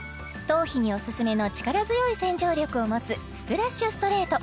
頭皮にオススメの力強い洗浄力を持つスプラッシュストレート